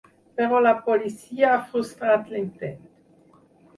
Però la policia ha frustrat l’intent.